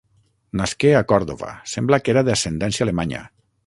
Nasqué a Còrdova, sembla que era d'ascendència alemanya.